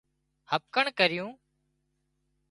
هٻڪڻ ڪرِيون